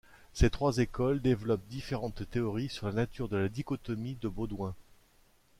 Ces trois écoles développent différentes théories sur la nature de la dichotomie de Baudouin.